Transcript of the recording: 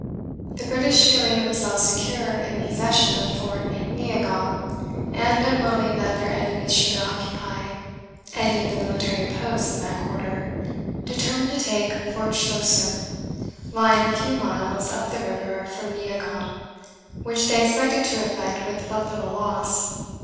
The British feeling themselves secure in the possession of Fort Neagaw, and unwilling that their enemies should occupy any of the military posts in that quarter, determined to take Fort Schlosser, lying a few miles up the river from Neagaw, which they expected to effect with but little loss.